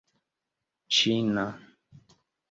ĉina